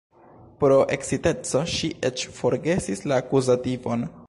Pro eksciteco ŝi eĉ forgesis la akuzativon.